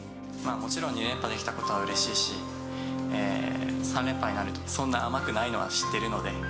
もちろん２連覇できたことはうれしいし、３連覇になると、そんな甘くないのは知ってるので。